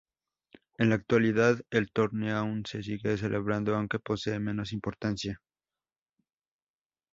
En la actualidad, el torneo aún se sigue celebrando aunque posee menos importancia.